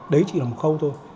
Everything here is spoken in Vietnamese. đấy chỉ là một khâu thôi